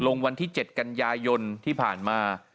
วันที่๗กันยายนที่ผ่านมา